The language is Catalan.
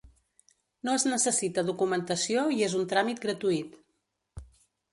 No es necessita documentació i és un tràmit gratuït.